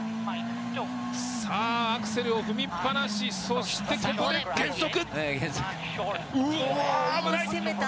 さあアクセルを踏みっぱなしそしてここで減速！